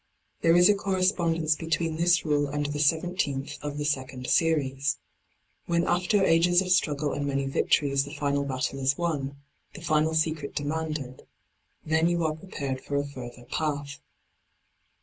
There is a correspondence between this rule and the 17th of the 2nd series. When after ages of struggle and many victories the final battle is won, the final secret demanded; then you are prepared for a further path.